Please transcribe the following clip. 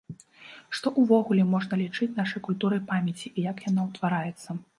Што ўвогуле можна лічыць нашай культурай памяці і як яна ўтвараецца?